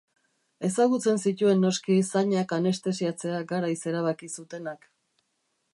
Ezagutzen zituen noski zainak anestesiatzea garaiz erabaki zutenak.